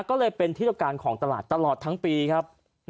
ก็เลยเป็นที่ต้องการของตลาดตลอดทั้งปีครับ